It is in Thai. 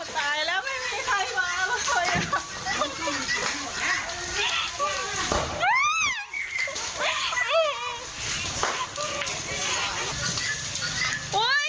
ตายแล้วไม่มีใครมาเลยค่ะ